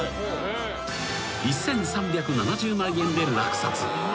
［１，３７０万円で落札］